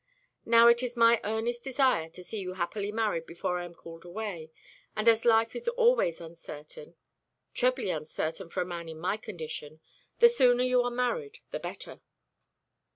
Now, it is my earnest desire to see you happily married before I am called away; and as life is always uncertain trebly uncertain for a man in my condition the sooner you are married the better."